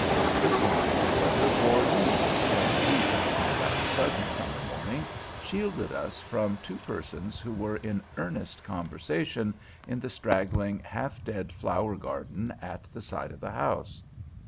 This vine, however, bore leaves, and these, on that pleasant summer morning, shielded from us two persons who were in earnest conversation in the straggling, half dead flower garden at the side of the house.